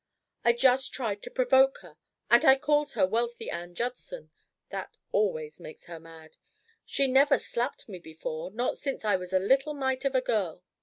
"I just tried to provoke her and I called her Wealthy Ann Judson! That always makes her mad. She never slapped me before not since I was a little mite of a girl.